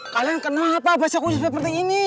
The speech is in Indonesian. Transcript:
kalian kenapa basah kunjung seperti ini